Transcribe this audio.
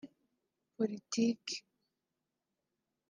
politike